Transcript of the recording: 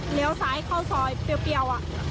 เหลียวซ้ายเข้าซอยเปรี้ยว